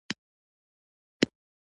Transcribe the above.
د یرغل تیاریو ډېر امیدونه پیدا کړل.